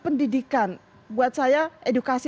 pendidikan buat saya edukasi